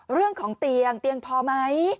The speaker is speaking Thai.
เรื่องของเตียงเตียงพอไหม